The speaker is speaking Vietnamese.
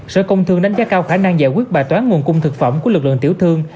sở công thương đánh giá cao khả năng giải quyết bài toán nguồn cung thực phẩm của lực lượng tiểu thương